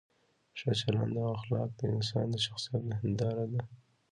ښه چلند او اخلاق د انسان د شخصیت هنداره ده.